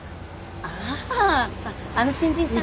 あああの新人さん？